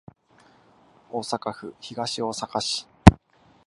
大阪府東大阪市